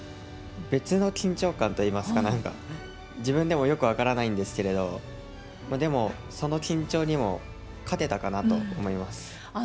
別の緊張感といいますか、なんか、自分でもよく分からないんですけれども、でも、その緊張にも勝てたかなと思います。